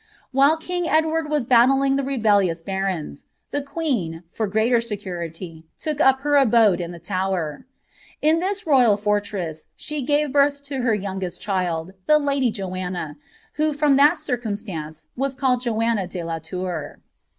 * While king Edward was battling the rebellious barons, the queen, for realer security, took up her abode in the Tower. In this royal fortress lie gave birth to her youngest child, the lady Joanna, who from that irciimstance was called Joanna de la Tour.